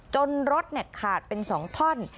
รถขาดเป็น๒ท่อน